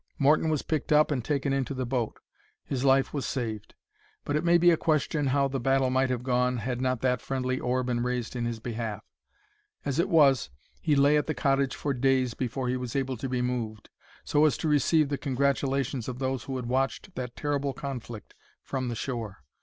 Morton was picked up and taken into the boat. His life was saved; but it may be a question how the battle might have gone had not that friendly oar been raised in his behalf. As it was, he lay at the cottage for days before he was able to be moved, so as to receive the congratulations of those who had watched that terrible conflict from the shore.